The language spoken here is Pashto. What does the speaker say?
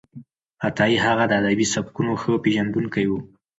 عطايي هغه د ادبي سبکونو ښه پېژندونکی و.